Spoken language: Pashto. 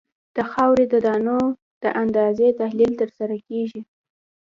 د خاورې د دانو د اندازې تحلیل ترسره کیږي